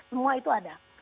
semua itu ada